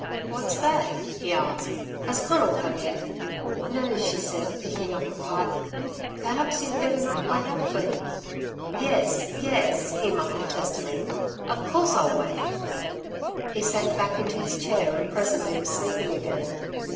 "What's that?" he asked. "Has Conal come yet?" "No," she said, picking up the pipe. "Perhaps you'd better not wait up for him." "Yes! Yes!" he muttered testily. "Of course I'll wait." He sank back into his chair and presently was sleeping again.